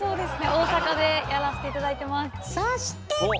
大阪でやらせて頂いてます。